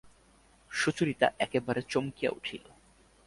সুচরিতা একেবারে চমকিয়া উঠিল।